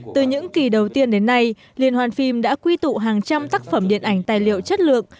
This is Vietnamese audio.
từ những kỳ đầu tiên đến nay liên hoàn phim đã quy tụ hàng trăm tác phẩm điện ảnh tài liệu chất lượng